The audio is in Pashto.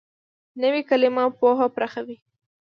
نوې کلیمه پوهه پراخوي